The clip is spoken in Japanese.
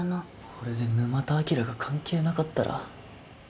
これで沼田あきらが関係なかったら。